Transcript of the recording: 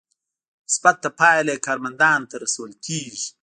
مثبته پایله یې کارمندانو ته رسول کیږي.